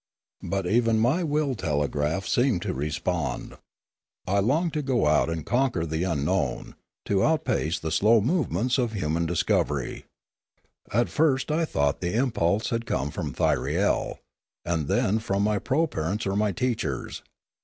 But even my will telegraph seemed to respond. I longed to go out and conquer the unknown, to outpace the slow movements of human discovery. At first I thought the impulse had come from Thyriel, and then from my proparents or my teachers.